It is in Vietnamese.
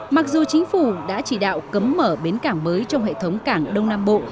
mặc dù chính phủ đã chỉ đạo cấm mở bến cảng mới trong hệ thống cảng đông nam bộ